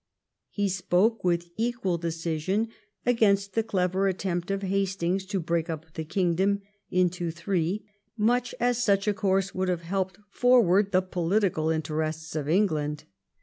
He spoke vnth. equal decision against the clever attempt of Hastings to break up the kingdom into three, much as such a course would have helped forward the political interests of England.